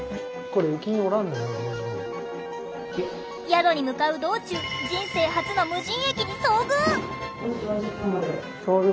宿に向かう道中人生初の無人駅に遭遇。